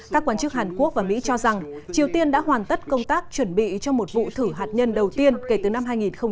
các quan chức hàn quốc và mỹ cho rằng triều tiên đã hoàn tất công tác chuẩn bị cho một vụ thử hạt nhân đầu tiên kể từ năm hai nghìn một mươi